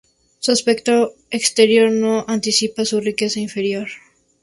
Su aspecto exterior no anticipa su riqueza interior.